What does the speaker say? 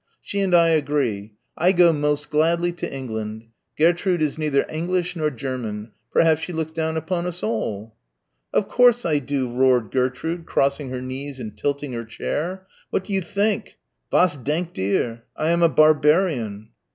"She and I agree I go most gladly to England. Gairtrud is neither English nor German. Perhaps she looks down upon us all." "Of course I do," roared Gertrude, crossing her knees and tilting her chair. "What do you think. Was denkt ihr? I am a barbarian."